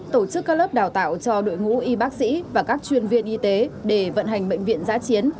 tổ chức các lớp đào tạo cho đội ngũ y bác sĩ và các chuyên viên y tế để vận hành bệnh viện giã chiến